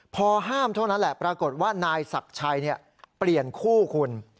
พอห้ามเท่านั้นแหละปรากฏว่านายศักดิ์ชัยเปลี่ยนคู่คุณ